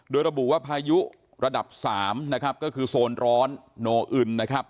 โดยระบุว่าพายุระดับ๓ก็คือโซนร้อนโนอื่น